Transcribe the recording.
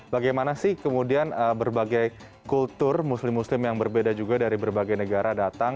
bagaimana sih kemudian berbagai kultur muslim muslim yang berbeda juga dari berbagai negara datang